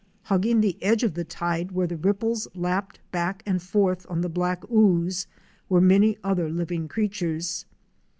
Hugging the edge of the tide where the ripples lapped back and forth on the black ooze were many other living creatures.